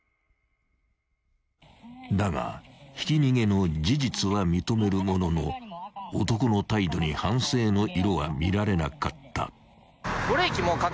［だがひき逃げの事実は認めるものの男の態度に反省の色は見られなかった］